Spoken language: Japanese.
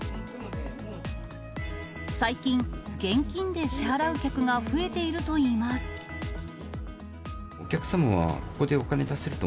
最近、現金で支払う客が増えているといいます。